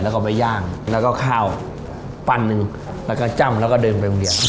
แล้วก็ไปย่างแล้วก็ข้าวปั้นหนึ่งแล้วก็จ้ำแล้วก็เดินไปโรงเรียน